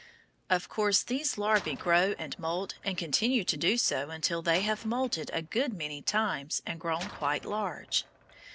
Of course these larvæ grow and moult and continue to do so until they have moulted a good many times and grown quite large.